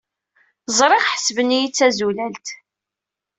Ẓriɣ ḥesben-iyi d tazulalt.